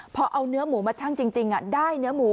พอเอาเนื้อหมูมาชั่งจริงได้เนื้อหมู